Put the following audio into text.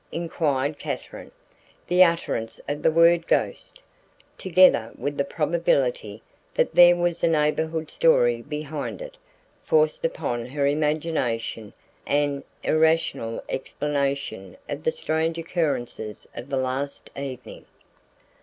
inquired Katherine. The utterance of the word ghost, together with the probability that there was a neighborhood story behind it, forced upon her imagination an irrational explanation of the strange occurrences of the last evening.